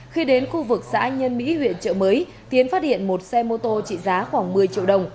khi đến khu vực xã nhân mỹ huyện trợ mới tiến phát hiện một xe mô tô trị giá khoảng một mươi triệu đồng